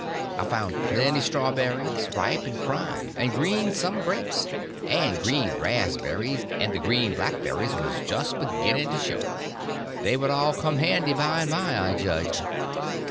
I found plenty strawberries, ripe and prime; and green summer grapes, and green razberries; and the green blackberries was just beginning to show. They would all come handy by and by, I judged.